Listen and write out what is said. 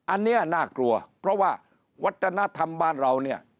อันนี้น่ากลัวเพราะว่าวัฒนธรรมบ้านเราเนี่ย